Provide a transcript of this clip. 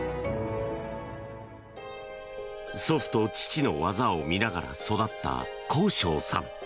祖父と父の技を見ながら育った幸昇さん。